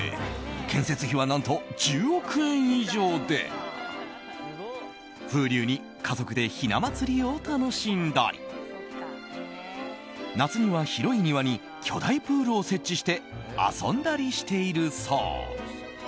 建設費は何と１０億円以上で風流に家族でひな祭りを楽しんだり夏には広い庭に巨大プールを設置して遊んだりしているそう。